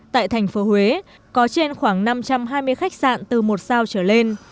tại thành phố huế có trên khoảng năm trăm hai mươi khách sạn từ một sao trở lên